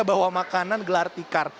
bawa makanan gelar tikar